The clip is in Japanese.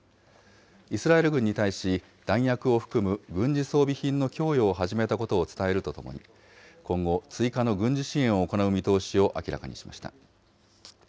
イスラエル軍に対し、弾薬を含む軍事装備品の供与を始めたことを伝えるとともに、今後、追加の軍事支援を行う見通しを明らかにしました。